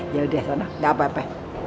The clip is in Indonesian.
yaudah sana gak apa apa